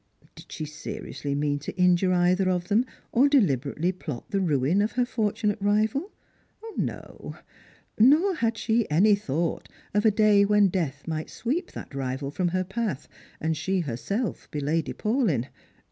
Did she seriously mean to injure either of them, or deliberately plot the ruin of her fortunate rival ? No. Nor had she any thought of a day when death might sweep that rival from her path, and she herself be Lady Paulyn.